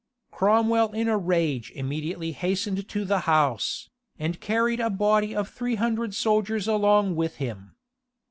Cromwell in a rage immediately hastened to the house, and carried a body of three hundred soldiers along with him.